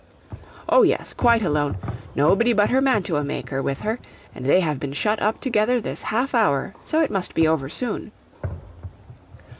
'Oh yes! quite alone, nobody but her mantua maker with her, and they have been shut up together this half hour, so it must be over soon.'